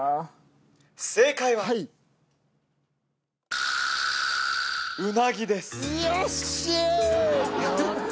正解は「うなぎ」ですよし！